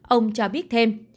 ông cho biết thêm